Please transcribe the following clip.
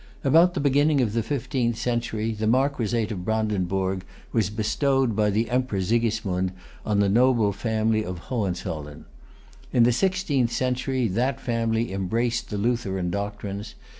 About the beginning of the fifteenth century, the marquisate of Brandenburg was bestowed by the Emperor Sigismund on the noble family of Hohenzollern. In the sixteenth century that family embraced the Lutheran doctrines.